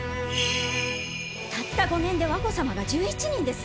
たった５年で和子様が１１人ですぞ！